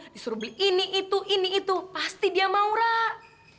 disuruh beli ini itu ini itu pasti dia mau rak